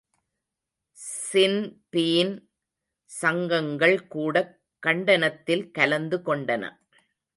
Sinn Féin சங்கங்கள் கூடக் கண்டனத்தில் கலந்து கொண்டன.